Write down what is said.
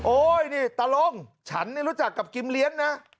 โอ๊ยนี่ตาลงฉันนี่รู้จักกับกิมเลี้ยงนะ